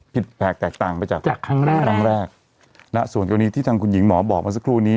แผลกแตกต่างไปจากจากครั้งแรกครั้งแรกนะส่วนกรณีที่ทางคุณหญิงหมอบอกมาสักครู่นี้